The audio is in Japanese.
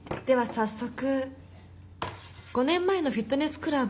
早速５年前のフィットネスクラブ